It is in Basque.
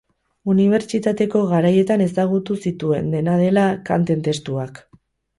Unibertsitateko garaietan ezagutu zituen, dena dela, Kanten testuak.